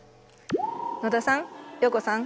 野田さん陽子さん